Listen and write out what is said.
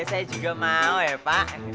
saya juga mau ya pak